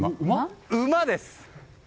馬です！